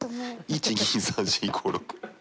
１２３４５６。